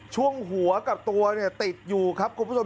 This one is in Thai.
ช่วงหัวกับตัวติดอยู่คุณผู้ชม